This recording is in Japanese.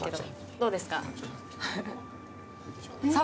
どうですか？